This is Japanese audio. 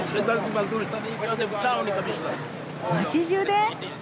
街じゅうで！？